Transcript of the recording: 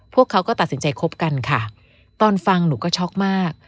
พวกเขาก็ตัดสินใจคบกันค่ะตอนฟังหนูก็ช็อกมาก